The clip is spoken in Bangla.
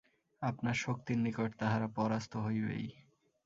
আপনার শক্তির নিকট তাহারা পরাস্ত হইবেই।